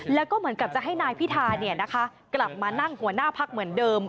แล้วก็เหมือนกับจะให้นายพิธากลับมานั่งหัวหน้าพักเหมือนเดิม